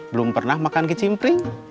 belum pernah makan kicimpring